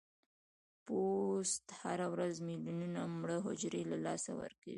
پوست هره ورځ ملیونونه مړه حجرې له لاسه ورکوي.